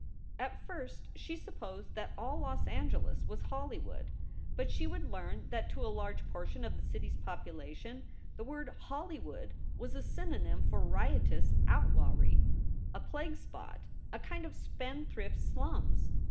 At first she supposed that all Los Angeles was Hollywood. But she would learn that to a large portion of the city s population the word "Hollywood" was a synonym for riotous outlawry, a plague spot, a kind of spendthrift slums.